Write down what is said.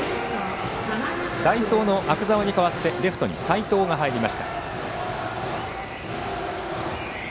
代走の阿久澤に代わってレフトに齊藤が入りました。